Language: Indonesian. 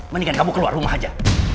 mendingan kamu keluar rumah aja